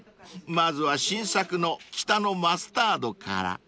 まずは新作の北のマスタードから］